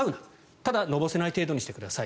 ただ、のぼせない程度にしてください。